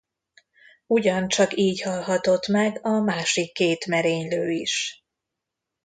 Ugyancsak így halhatott meg a másik két merénylő is.